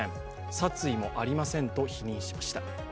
殺意もありませんと否認しました。